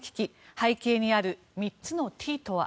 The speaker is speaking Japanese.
背景にある３つのＴとは。